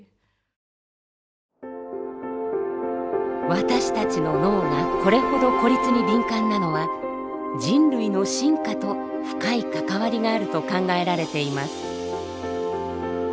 私たちの脳がこれほど孤立に敏感なのは人類の進化と深い関わりがあると考えられています。